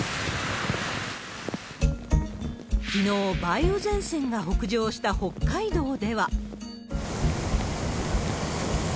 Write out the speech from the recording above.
きのう、梅雨前線が北上した北海道では。